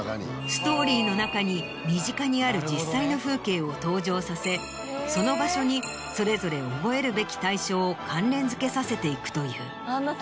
ストーリーの中に身近にある実際の風景を登場させその場所にそれぞれ覚えるべき対象を関連付けさせていくという。